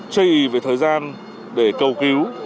chây ý về thời gian để cầu cứu